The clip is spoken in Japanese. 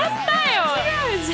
全然違うじゃん！